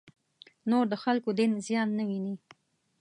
نور د خلکو دین زیان نه وویني.